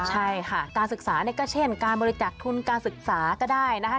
ใช่ค่ะการศึกษาเนี่ยก็เช่นการบริจักษ์ทุนการศึกษาก็ได้นะคะ